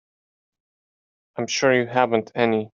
I'm sure you haven't any.